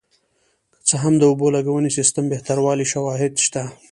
که څه هم د اوبو لګونې سیستم بهتروالی شواهد شته